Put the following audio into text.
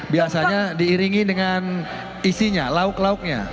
biasanya diiringi dengan isinya lauk lauknya